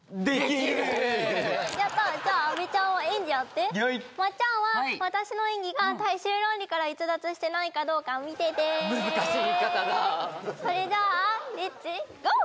やったーじゃあ阿部ちゃんは園児やって御意まっちゃんは私の演技が大衆論理から逸脱してないかどうか見てて難しい言い方だそれじゃあレッツ・ゴー！